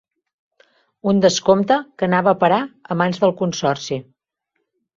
Un descompte que anava a parar a mans del consorci.